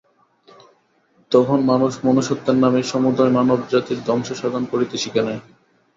তখন মানুষ মনুষ্যত্বের নামে সমুদয় মানবজাতির ধ্বংস সাধন করিতে শিখে নাই।